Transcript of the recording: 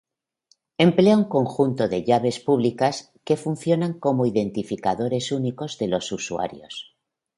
Emplea un conjunto de llaves públicas que funcionan como identificadores únicos de los usuarios.